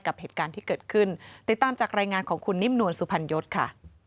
กับเหตุการณ์ที่เกิดขึ้นติดตามจากรายงานของคุณนิ่มนวลสุพรรณยศค่ะ